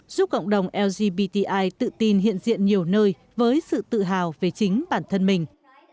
giúp cộng đồng lgbti tự tin hiện diện nhiều nơi với sự tự hào về chính bản thân mình